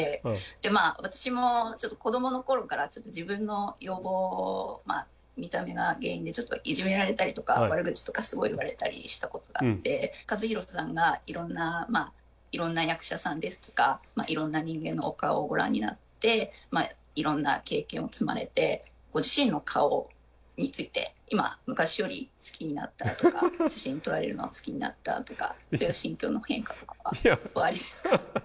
まあ私も子どもの頃からちょっと自分の容貌見た目が原因でいじめられたりとか悪口とかすごい言われたりしたことがあってカズ・ヒロさんがいろんな役者さんですとかいろんな人間のお顔をご覧になっていろんな経験を積まれてご自身の顔について今昔より好きになったとか写真撮られるのが好きになったとかそういう心境の変化とかはおありですか？